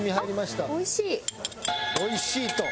「おいしい」と。